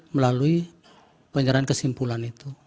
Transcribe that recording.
melalui penyerahan kesimpulan itu